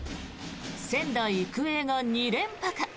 仙台育英が２連覇か。